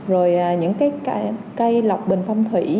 rồi những cái cây lọc bình phong thủy